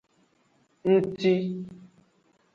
Ngci.